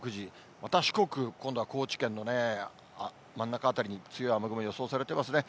また四国、今度は高知県の真ん中辺りに強い雨雲予想されてますね。